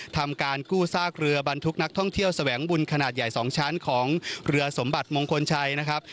ทำการกู้ซากเรือบรรทุกนักท่องเที่ยวแสวงบุญขนาดใหญ่๒ชั้นของเรือสมบัติมงคลชัยนะครับ